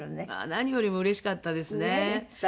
何よりもうれしかったですね。